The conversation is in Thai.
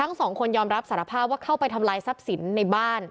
ก็ยอมรับสารภาพว่าเข้าไปทำร้ายทรัพย์สินในบ้าน